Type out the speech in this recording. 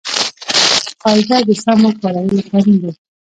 قاعده د سمو کارولو قانون دئ.